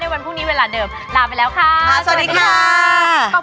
วันพบนี่เวลาเดิมรับไปแล้วขอบคุณ